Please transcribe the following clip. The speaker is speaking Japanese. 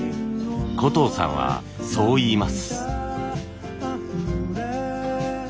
小藤さんはそう言います。